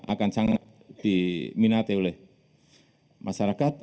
akan sangat diminati oleh masyarakat